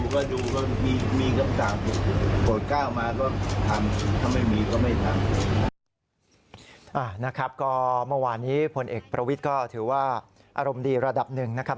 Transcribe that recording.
นะครับก็เมื่อวานนี้พลเอกประวิทย์ก็ถือว่าอารมณ์ดีระดับหนึ่งนะครับ